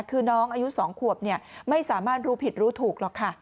คือน้องอายุ๒ขวบไม่สามารถรู้ผิดรู้ถูกหรอกค่ะ